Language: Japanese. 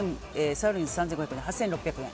サーロインが３５００円で８６００円。